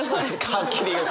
はっきり言う！